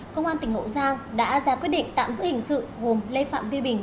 công an tỉnh hậu giang đã ra quyết định tạm giữ hình sự gồm lê phạm vi bình